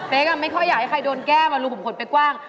เป๊กอ่ะไม่ค่อยอยากให้ใครโดนแก้มลูกผมขนไปกว้าง